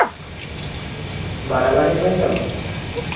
বাড়াবাড়ি হয়ে গেল?